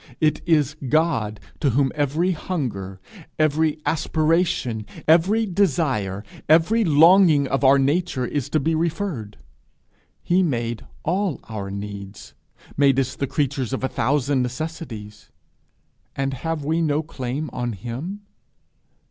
It is God to whom every hunger, every aspiration, every desire, every longing of our nature is to be referred; he made all our needs made us the creatures of a thousand necessities and have we no claim on him?